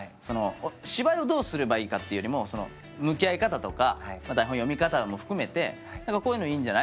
芝居をどうすればいいかというよりも向き合い方とか台本の読み方も含めて「こういうのいいんじゃない？」